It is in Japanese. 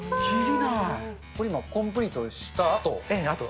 これ今コンプリーしたあと。